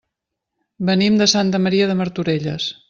Venim de Santa Maria de Martorelles.